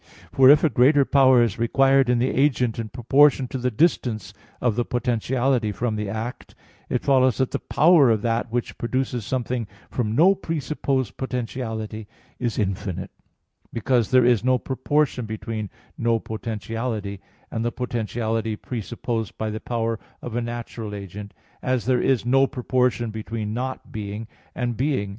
For if a greater power is required in the agent in proportion to the distance of the potentiality from the act, it follows that the power of that which produces something from no presupposed potentiality is infinite, because there is no proportion between "no potentiality" and the potentiality presupposed by the power of a natural agent, as there is no proportion between "not being" and "being."